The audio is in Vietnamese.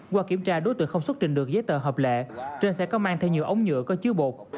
qua kiểm tra đối tượng không xuất trình được giấy tờ hợp lệ trên xe có mang theo nhiều ống nhựa có chứa bột